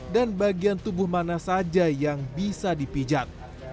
dan bagian tubuh mana saja yang bisa dipijat